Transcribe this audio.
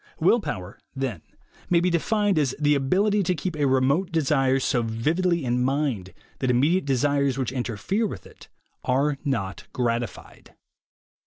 Will Power, then, may be defined as the ability to keep a remote desire so vividly in mind that immediate desires which interfere with it are not gratified.